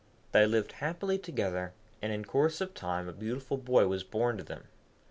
}] They lived happily together, and in course of time a beautiful boy was born to them.